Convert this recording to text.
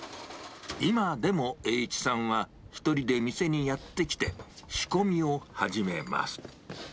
今でも英一さんは１人で店にやって来て、仕込みを始めます。